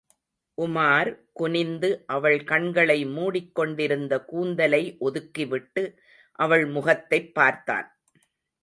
உமார் குனிந்து அவள் கண்களை மூடிக் கொண்டிருந்த கூந்தலை ஒதுக்கிவிட்டு அவள் முகத்தைப் பார்த்தான்.